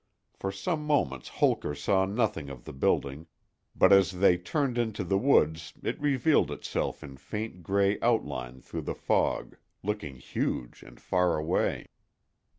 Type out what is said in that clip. For some moments Holker saw nothing of the building, but as they turned into the woods it revealed itself in faint gray outline through the fog, looking huge and far away.